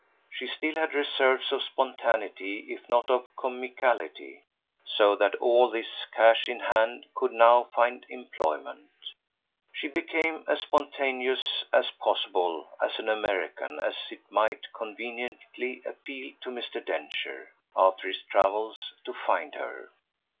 She still had reserves of spontaneity, if not of comicality; so that all this cash in hand could now find employment. She became as spontaneous as possible and as American as it might conveniently appeal to Mr. Densher, after his travels, to find her.